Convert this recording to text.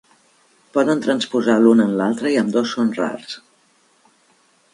Poden transposar l'un en l'altre, i ambdós són rars.